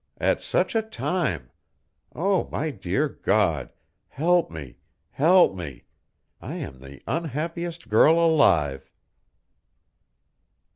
"At such a time! Oh, my dear God, help me, help me! I am the unhappiest girl alive!"